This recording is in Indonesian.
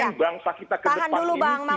kalau dengan kita kepingin bangsa kita ke depan ini